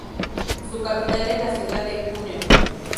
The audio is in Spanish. Su capital es la ciudad de Cúneo.